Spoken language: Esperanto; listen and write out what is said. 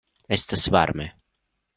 Estas varme.